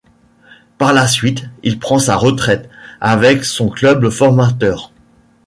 Par la suite il prend sa retraite avec son club formateur.